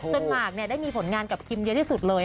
หมากได้มีผลงานกับคิมเยอะที่สุดเลย